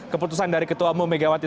keputusan dari ketua umum megawati